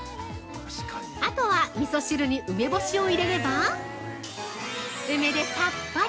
◆あとは、みそ汁に梅干しを入れれば梅でさっぱり！